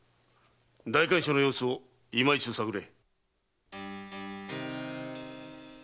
代官所の様子をいま一度探れ。